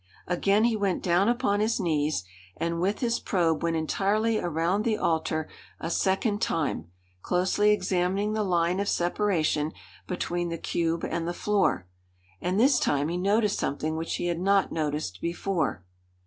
Again he went down upon his knees, and with his probe went entirely around the altar a second time, closely examining the line of separation between the cube and the floor. And this time he noticed something which he had not noticed before.